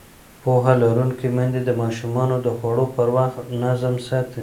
پوهه لرونکې میندې د ماشومانو د خوړو پر وخت نظم ساتي.